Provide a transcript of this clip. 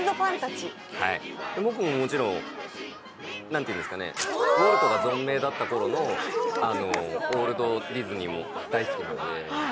僕ももちろんウォルトが存命だったころのオールドディズニーも大好きなので。